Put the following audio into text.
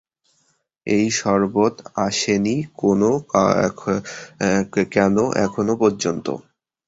এই শরবত আসেনি কেনো এখনো পর্যন্ত!